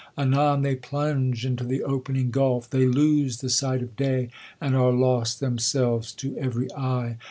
Anon they plunge into the opening gulf; they lose the sight of day ; and 'ire lost themselves to every eye.